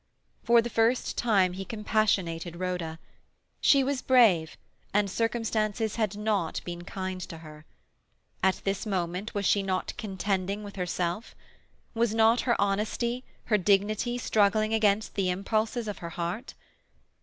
For the first time he compassionated Rhoda. She was brave, and circumstances had not been kind to her. At this moment, was she not contending with herself? Was not her honesty, her dignity, struggling against the impulses of her heart?